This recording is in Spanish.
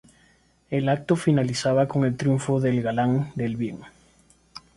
El acto finalizaba con el triunfo del Galán, del bien.